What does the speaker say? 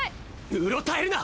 うろたえるな！